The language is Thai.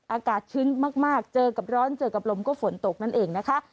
อากาศชื้นมากเจอกับร้อนเจอกับลมก็ฝนตกนั่นเองนะคะ